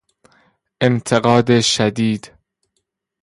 انتقاد شدید